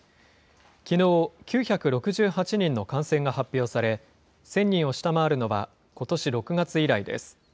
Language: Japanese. きのう、９６８人の感染が発表され、１０００人を下回るのは、ことし６月以来です。